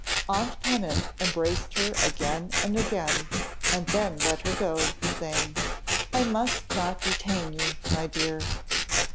Aunt Pennant embraced her again and again, and then let her go, saying, "I must not detain you, my dear."